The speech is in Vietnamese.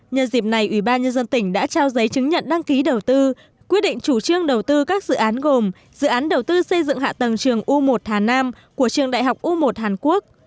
nhờ dịp này ubnd tỉnh đã trao giấy chứng nhận đăng ký đầu tư quyết định chủ trương đầu tư các dự án gồm dự án đầu tư xây dựng hạ tầng trường u một hà nam của trường đại học u một hàn quốc